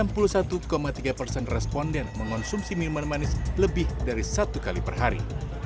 enam puluh satu tiga persen responden mengonsumsi minuman manis lebih dari satu kali per hari